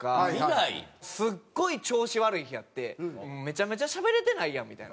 すごい調子悪い日あってめちゃめちゃしゃべれてないやんみたいな。